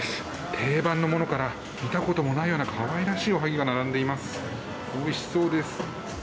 定番のものから見たこともないようなかわいらしいおはぎが並んでいます。